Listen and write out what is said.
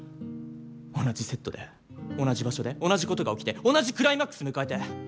同じセットで同じ場所で同じことが起きて同じクライマックス迎えて。